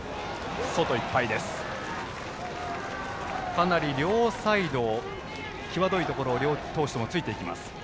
かなり両サイド、際どいところを両投手とも突いていきます。